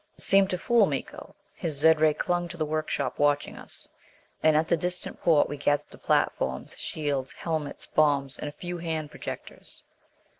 It seemed to fool Miko. His zed ray clung to the workshop, watching us. And at the distant port we gathered the platforms, shields, helmets, bombs, and a few hand projectors.